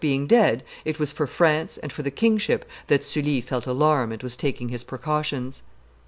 being dead, it was for France and for the kingship that Sully felt alarm and was taking his precautions.